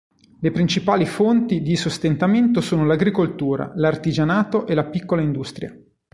Le principali fonti di sostentamento sono l'agricoltura, l'artigianto e la piccola industria.